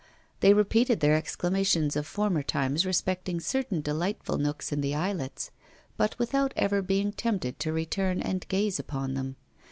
They repeated their exclamations of former times respecting certain delightful nooks in the islets, but without ever being tempted to return and gaze upon them.